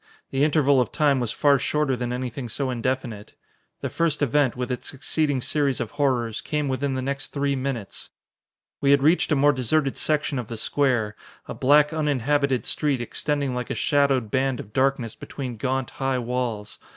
The interval of time was far shorter than anything so indefinite. The first event, with its succeeding series of horrors, came within the next three minutes. We had reached a more deserted section of the square, a black, uninhabited street extending like a shadowed band of darkness between gaunt, high walls.